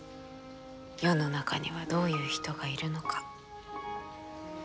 世の中にはどういう人がいるのか。